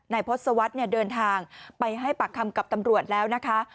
พศวรรษเดินทางไปให้ปากคำกับตำรวจแล้วนะคะ